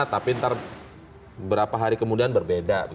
tapi ntar berapa hari kemudian berbeda